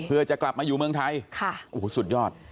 เพื่อจะกลับมาอยู่เมืองไทยสุดยอดค่ะอู๋สุดยอด